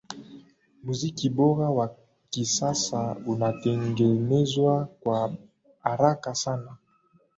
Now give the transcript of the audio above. muziki bora wa kisasa unatengenezwa kwa haraka sana